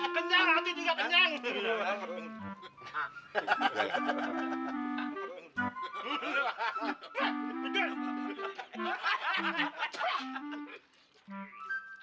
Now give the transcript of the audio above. kencang hati juga kencang